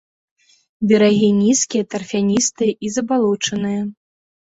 Берагі нізкія, тарфяністыя і забалочаныя.